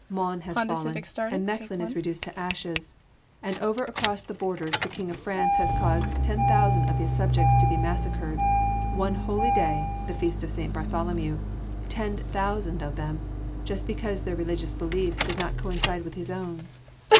Mons has fallen and Mechlin is reduced to ashes, and over across the borders the King of France has caused ten thousand of his subjects to be massacred one holy day, the feast of St. Bartholomew ten thousand of them! just because their religious beliefs did not coincide with his own.